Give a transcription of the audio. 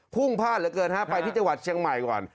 พุ่งพลาดเหลือเกินฮะไปที่จังหวัดเชียงใหม่ก่อน